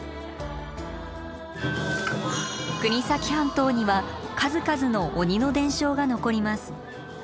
国東半島には数々の鬼の伝承が残ります。